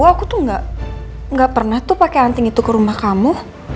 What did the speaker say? aku tuh gak pernah pake anting itu ke rumah kamu